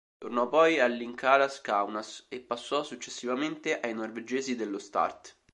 Tornò poi all'Inkaras Kaunas e passò successivamente ai norvegesi dello Start.